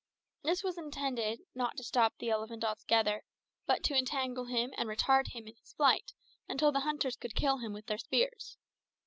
This was intended not to stop the elephant altogether, but to entangle and retard him in his flight, until the hunters could kill him with their spears.